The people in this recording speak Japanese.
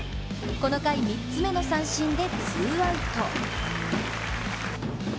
この回、３つ目の三振でツーアウト。